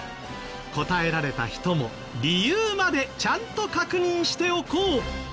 答えられた人も理由までちゃんと確認しておこう。